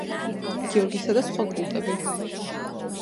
გიორგისა და სხვა კულტები.